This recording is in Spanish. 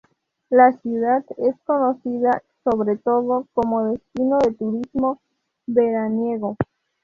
La ciudad es conocida, sobre todo, como destino de turismo veraniego.